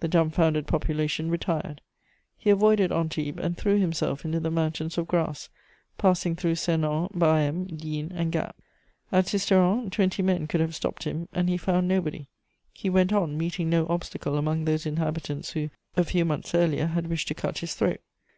The dumfoundered population retired. He avoided Antibes and threw himself into the mountains of Grasse, passing through Sernon, Barrème, Digne and Gap. At Sisteron, twenty men could have stopped him, and he found nobody. He went on, meeting no obstacle among those inhabitants who, a few months earlier, had wished to cut his throat.